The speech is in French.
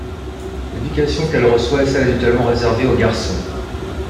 L'éducation qu'elle reçoit est celle habituellement réservé aux garçons.